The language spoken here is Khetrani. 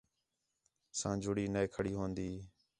ساں جڑی نَے کھڑی ہون٘دی